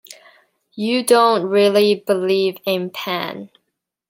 You don't really believe in Pan?